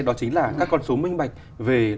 đó chính là các con số minh bạch về